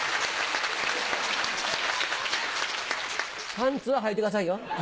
パンツははいてくださいよ。